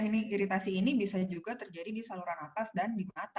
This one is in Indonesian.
ini iritasi ini bisa juga terjadi di saluran atas dan di mata